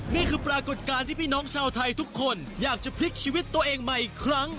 นี่คือปรากฏการณ์ที่พี่น้องชาวไทยทุกคนอยากจะพลิกชีวิตตัวเองใหม่อีกครั้ง